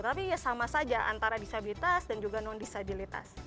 tapi ya sama saja antara disabilitas dan juga non disabilitas